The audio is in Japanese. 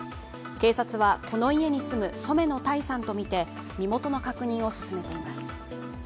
警察は、この家に住む染野耐さんとみて、身元の確認を進めています。